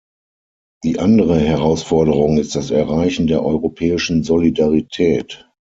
Die andere Herausforderung ist das Erreichen der europäischen Solidarität.